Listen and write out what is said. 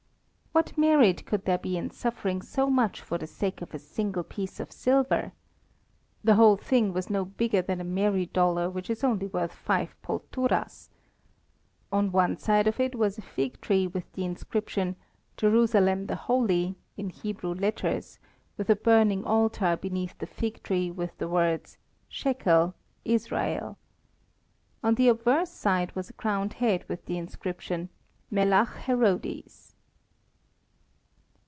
What merit could there be in suffering so much for the sake of a single piece of silver? The whole thing was no bigger than a Mary dollar, which is only worth 5 polturas. On one side of it was a fig tree with the inscription: "Jerusalem the Holy," in Hebrew letters, with a burning altar beneath the fig tree with the words: "Shekel: Israel." On the obverse side was a crowned head with the inscription: "Melach Herodes."